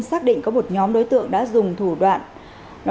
xác định có một nhóm đối tượng đã dùng thủ đoạn